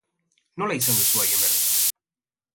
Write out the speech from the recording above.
Nola izan duzu haien berri?